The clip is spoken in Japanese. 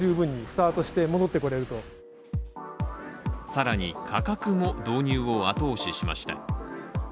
更に価格も、導入を後押ししました。